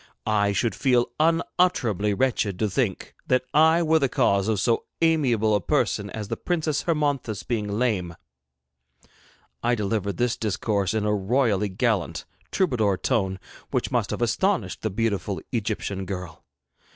I should feel unutterably wretched to think that I were the cause of so amiable a person as the Princess Hermonthis being lame.' I delivered this discourse in a royally gallant, troubadour tone which must have astonished the beautiful Egyptian girl.